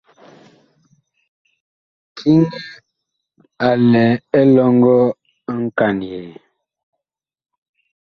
Kiŋɛ a lɛ elɔŋgɔ nkanyɛɛ.